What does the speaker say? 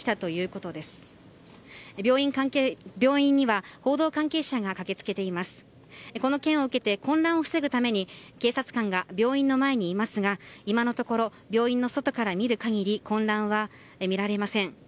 この件を受けて混乱を防ぐために警察官が病院の前にいますが今のところ病院の外から見る限り混乱は見られません。